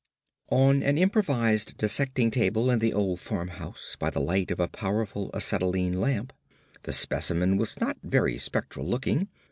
On an improvised dissecting table in the old farmhouse, by the light of a powerful acetylene lamp, the specimen was not very spectral looking.